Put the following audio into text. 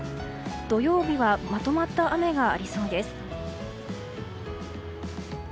土曜日はまとまった雨がありそうです。